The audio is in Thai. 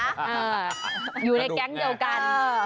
อยู่ในแก๊งเดียวกัน